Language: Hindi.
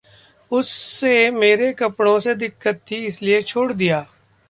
'उसे मेरे कपड़ों से दिक्कत थी, इसलिए छोड़ दिया'